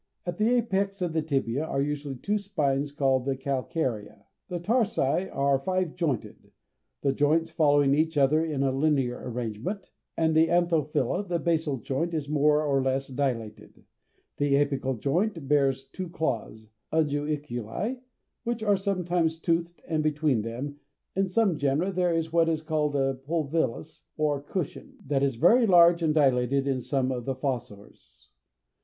At the apex of the tibia are usually two spines called the calcaria (_d_^6). The tarsi are five jointed, the joints following each other in a linear arrangement, and in the Anthophila the basal joint is more or less dilated; the apical joint bears two claws (unguiculi, _d_^7) which are sometimes toothed, and between them, in some genera, there is what is called a pulvillus (_d_^8) or cushion; this is very large and dilated in some of the fossors.